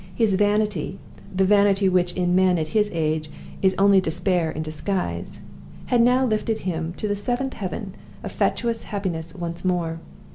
His vanity the vanity which in men at his age is only despair in disguise had now lifted him to the seventh heaven of fatuous happiness once more.